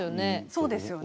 そうですよね。